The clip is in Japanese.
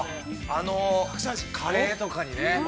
◆あの、カレーとかにね。